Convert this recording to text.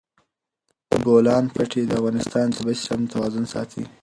د بولان پټي د افغانستان د طبعي سیسټم توازن ساتي.